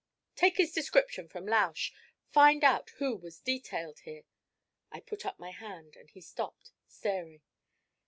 'Take his description from Lausch find out who was detailed here ' I put up my hand, and he stopped staring.